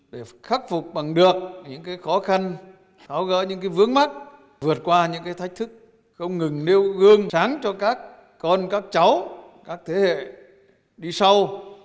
để khắc phục bằng được những khó khăn tháo gỡ những vướng mắt vượt qua những thách thức không ngừng nêu gương sáng cho các con các cháu các thế hệ đi sau